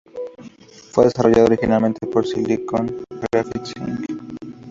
Fue desarrollada originalmente por Silicon Graphics Inc.